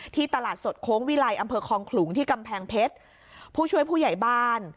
ตลาดสดโค้งวิลัยอำเภอคองขลุงที่กำแพงเพชรผู้ช่วยผู้ใหญ่บ้าน